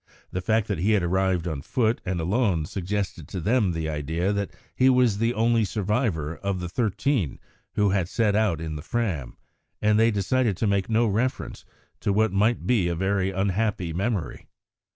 The fact that he had arrived on foot and alone suggested to them the idea that he was the only survivor of the thirteen who had set out in the Fram, and they decided to make no reference to what might be a very unhappy memory.